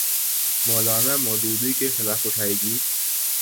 مو لانا مودودی کے خلاف اٹھائی گی۔